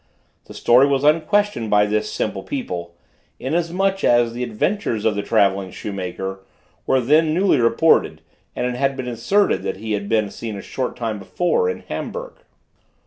This story was unquestioned by this simple people, inasmuch as the adventures of the travelling shoemaker were then newly reported, and it had been asserted that he had been seen a short time before in Hamburg.